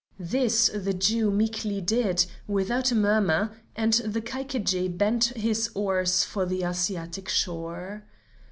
This the Jew meekly did, without a murmur, and the Caiquedji bent his oars for the Asiatic shore.